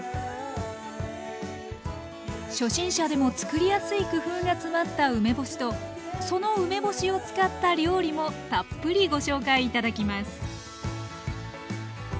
初心者でも作りやすい工夫が詰まった梅干しとその梅干しを使った料理もたっぷりご紹介頂きます